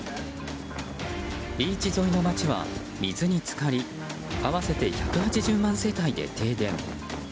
ビーチ沿いの町は水に浸かり合わせて１８０万世帯で停電。